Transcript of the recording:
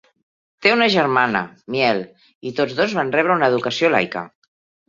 Té una germana, Miel, i tots dos van rebre una educació laica.